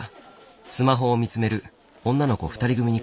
スマホを見つめる女の子２人組に声をかけた。